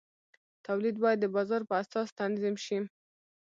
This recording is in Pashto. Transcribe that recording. تولید باید د بازار په اساس تنظیم شي.